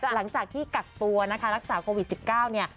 หลังจากที่กักตัวนะคะรักษาโควิด๑๙เนี่ย